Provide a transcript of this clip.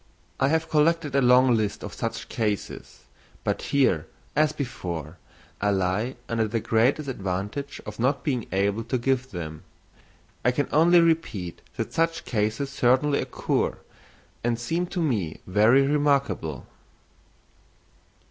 I have collected a long list of such cases; but here, as before, I lie under the great disadvantage of not being able to give them. I can only repeat that such cases certainly occur, and seem to me very remarkable.